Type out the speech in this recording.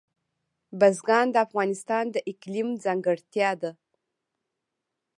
بزګان د افغانستان د اقلیم ځانګړتیا ده.